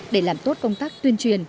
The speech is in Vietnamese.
để làm tốt công tác tuyên truyền